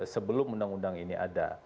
sebelum undang undang ini ada